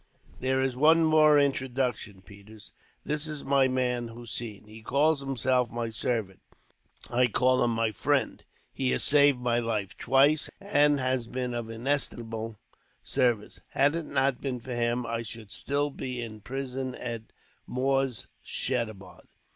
"There is one more introduction, Peters. This is my man, Hossein. He calls himself my servant. I call him my friend. He has saved my life twice, and has been of inestimable service. Had it not been for him, I should still be in prison at Moorshedabad."